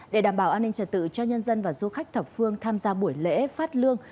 để đảm bảo an ninh trật tự cho nhân dân và du khách thập phương tham gia buổi lễ phát lương